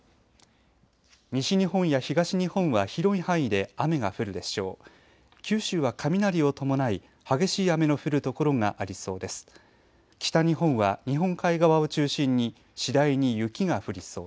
西日本や東日本は広い範囲で雨が降るでしょう。